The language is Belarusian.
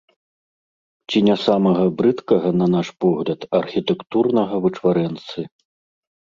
Ці не самага брыдкага, на наш погляд, архітэктурнага вычварэнцы.